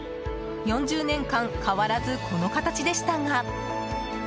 ４０年間変わらずこの形でしたが。